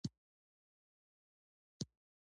د مینې او تعامل په سمبول بدل شوی.